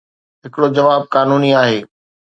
ھڪڙو جواب قانوني آھي.